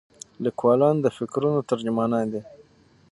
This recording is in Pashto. لیکوالان د فکرونو ترجمانان دي.